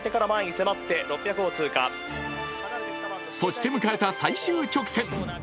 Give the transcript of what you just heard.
そして迎えた最終直線。